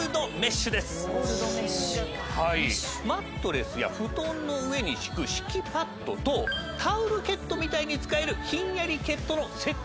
マットレスや布団の上に敷く敷きパッドとタオルケットみたいに使えるひんやりケットのセットなんです。